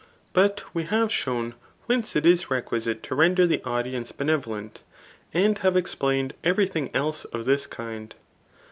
But we have shown whence it is requisite to render the audience benevolent, and have explained every thing else of this kind.